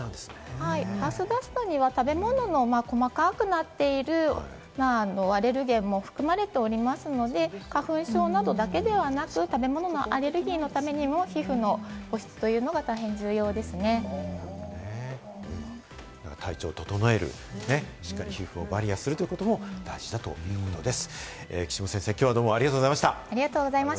ハウスダストには食べ物の細かくなっているアレルゲンも含まれておりますので、花粉症など、食べ物アレルギーのためにも、皮膚の保湿というのが体調を整える、しっかり皮膚をバリアするということも大事だということです。